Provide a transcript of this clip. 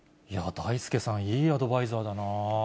だいすけさん、いいアドバイザーだなあ。